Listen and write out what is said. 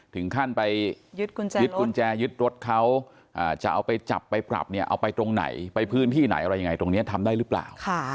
ถึงขั้นไปยึดกุญแจยึดรถเขาจะเอาไปจับไปปรับเนี่ยเอาไปตรงไหนไปพื้นที่ไหนอะไรยังไงตรงนี้ทำได้หรือเปล่า